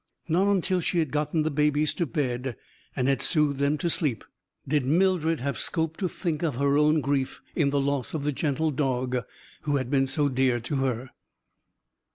Not until she had gotten the babies to bed and had soothed them to sleep did Mildred have scope to think of her own grief in the loss of the gentle dog who had been so dear to her.